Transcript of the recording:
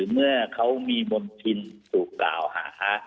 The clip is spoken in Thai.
เมื่อเขามีบทพินธุ์ถูกกล่าวหา